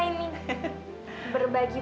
selamat menikmati ya